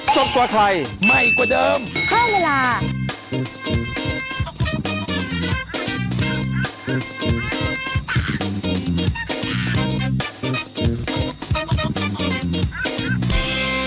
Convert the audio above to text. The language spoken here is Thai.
สวัสดีค่ะ